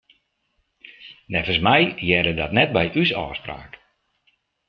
Neffens my hearde dat net by ús ôfspraak.